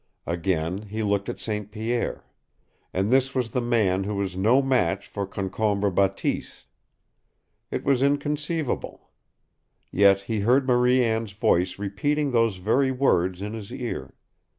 Again he looked at St. Pierre. And this was the man who was no match for Concombre Bateese! It was inconceivable. Yet he heard Marie Anne's voice repeating those very words in his ear.